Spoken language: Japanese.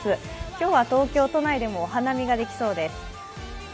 今日は東京都内でもお花見ができそうです。